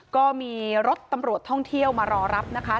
ก็มีรถตำรวจท่องเที่ยวมารอรับนะคะ